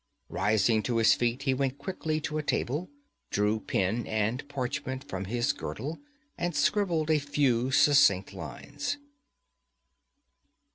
Rising to his feet he went quickly to a table, drew pen and parchment from his girdle and scribbled a few succinct lines.